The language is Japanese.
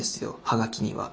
はがきには。